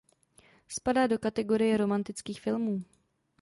Spadá do kategorie romantických filmů.